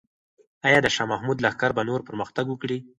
آیا د شاه محمود لښکر به نور پرمختګ وکړي؟